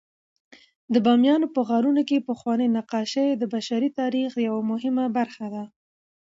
د بامیانو په غارونو کې پخواني نقاشۍ د بشري تاریخ یوه مهمه برخه ده.